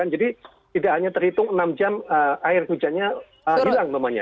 jadi tidak hanya terhitung enam jam air hujannya hilang mpamanya